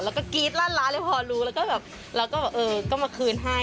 แล้วก็คิดละละเลยพอรู้แล้วก็มาคืนให้